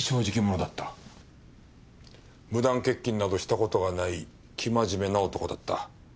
無断欠勤などした事がない生真面目な男だった。